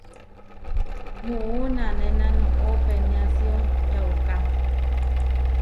Muú nanéna noʼó peniásio yauká.